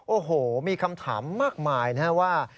โอ้โหมีคำถามมากมายนะครับว่า